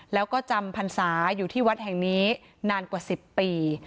แล้วก็จำพรรษาอยู่ที่วัดแห่งนี้นานกว่า๑๐ปี